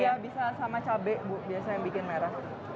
iya bisa sama cabai bu biasa yang bikin merah